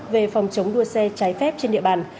về phòng chống đua xe trái phép trên địa bàn